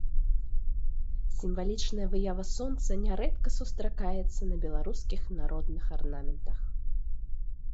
Сімвалічная выява сонца нярэдка сустракаецца на беларускіх народных арнаментах.